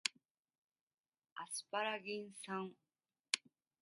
アスパラギン酸